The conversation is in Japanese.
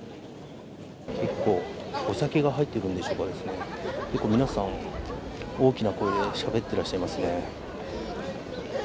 結構、お酒が入っているんでしょうか結構、皆さん大きな声でしゃべっていらっしゃいますね。